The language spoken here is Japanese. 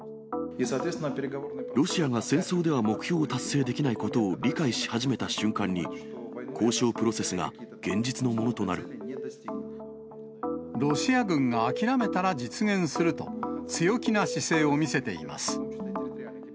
ロシアが戦争では目標を達成できないことを理解し始めた瞬間に、交渉プロセスが現実のものとロシア軍が諦めたら実現すると、強気な姿勢を見せています。